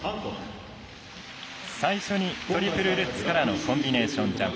最初のトリプルルッツからのコンビネーションジャンプ。